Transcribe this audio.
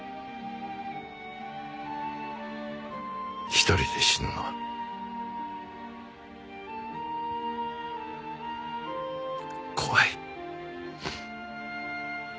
一人で死ぬのは怖い。